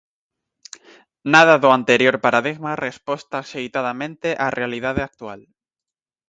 Nada do anterior paradigma resposta axeitadamente á realidade actual.